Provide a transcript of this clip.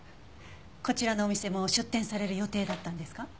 こちらのお店も出店される予定だったんですか？